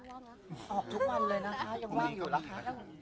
ออกทุกวันเลยนะคะยังว่างอยู่นะคะ